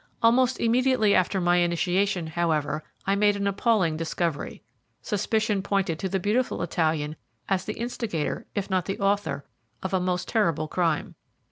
Almost immediately after my initiation, however, I made an appalling discovery. Suspicion pointed to the beautiful Italian as the instigator, if not the author, of a most terrible crime.